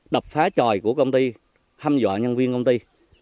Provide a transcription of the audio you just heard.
đập phá tròi của công ty hăm dọa nhân viên công ty